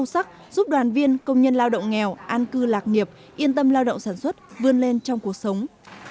sắc giúp đoàn viên công nhân lao động nghèo an cư lạc nghiệp yên tâm lao động sản xuất vươn lên trong cuộc sống